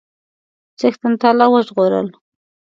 چښتن تعالی وژغورل.